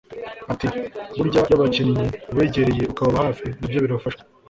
Ati “Burya iyo abakinnyi ubegereye ukababa hafi nabyo birafasha